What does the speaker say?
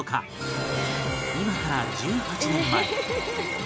今から１８年前